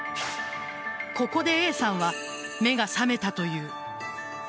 ここでＡさんは目が覚めたという。